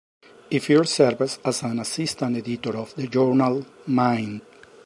Efird serves as an assistant editor of the journal "Mind".